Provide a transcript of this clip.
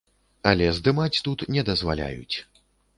Але здымаць тут не дазваляюць.